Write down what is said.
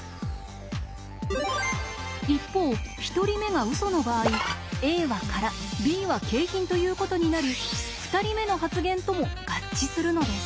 一方１人目がウソの場合「Ａは空Ｂは景品」ということになり２人目の発言とも合致するのです。